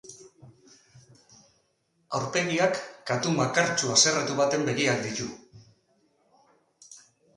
Aurpegiak katu makartsu haserretu baten begiak ditu.